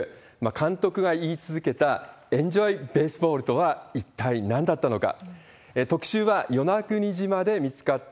監督が言い続けた、エンジョイ・ベースボールとは一体なんだったのか。